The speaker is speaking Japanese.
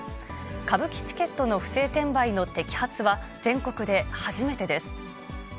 歌舞伎チケットの不正転売の摘発は、全国で初めてです。